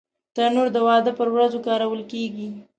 تنور د واده پر ورځو کارول کېږي